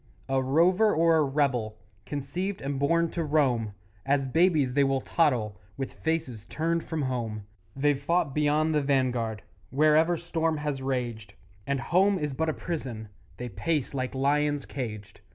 A rover or a rebel, Conceived and born to roam, As babies they will toddle With faces turned from home; They've fought beyond the vanguard Wherever storm has raged, And home is but a prison They pace like lions caged.